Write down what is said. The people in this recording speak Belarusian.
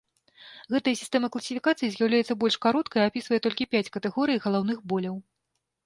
Гэтая сістэма класіфікацыі з'яўляецца больш кароткай і апісвае толькі пяць катэгорый галаўных боляў.